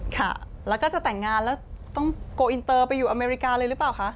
ค่ะแล้วก็จะแต่งงานแล้วต้องโกลอินเตอร์ไปอยู่อเมริกาเลยหรือเปล่าคะ